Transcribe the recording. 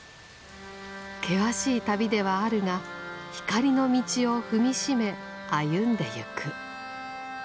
険しい旅ではあるが光の道を踏み締め歩んでいく。